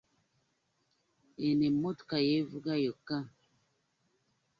Eno emmotoka yevuga yokka.